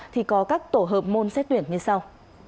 thì có các tổ hợp môn xét tuyển như sau